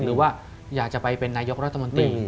หรือว่าอยากจะไปเป็นนายกรัฐมนตรี